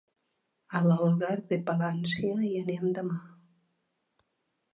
A Algar de Palància hi anem demà.